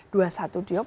dua satu diop